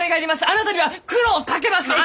あなたには苦労をかけます！